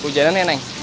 kehujanan ya neng